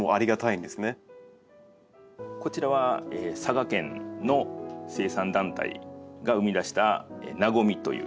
こちらは佐賀県の生産団体が生み出した「和」という。